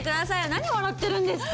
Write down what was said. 何笑ってるんですか？